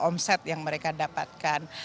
omset yang mereka dapatkan